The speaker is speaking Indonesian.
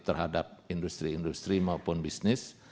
terhadap industri industri maupun bisnis